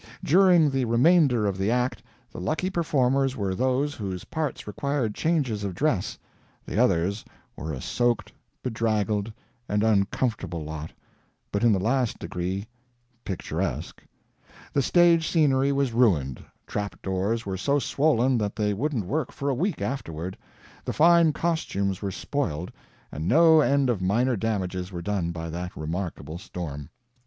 During the remainder of the act the lucky performers were those whose parts required changes of dress; the others were a soaked, bedraggled, and uncomfortable lot, but in the last degree picturesque. The stage scenery was ruined, trap doors were so swollen that they wouldn't work for a week afterward, the fine costumes were spoiled, and no end of minor damages were done by that remarkable storm.